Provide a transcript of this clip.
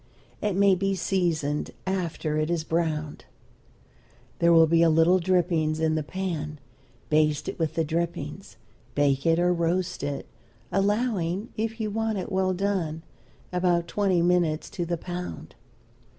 It may be seasoned after it is browned. There will be a little drippings in the pan; baste it with the drippings; bake it or roast it, allowing, if you want it well done, about twenty minutes to the pound.